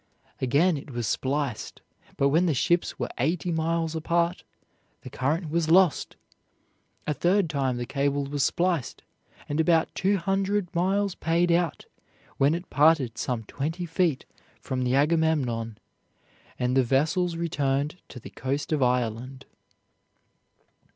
Again it was spliced, but when the ships were eighty miles apart, the current was lost. A third time the cable was spliced and about two hundred miles paid out, when it parted some twenty feet from the Agamemnon, and the vessels returned to the coast of Ireland.